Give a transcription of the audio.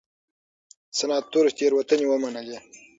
سناتور تېروتنې ومنلې.